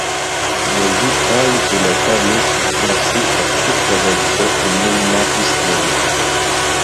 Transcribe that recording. Le vitrail et le tableau sont classés à titre d'objets aux Monuments historiques.